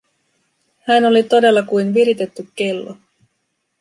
Hän oli todella kuin viritetty kello.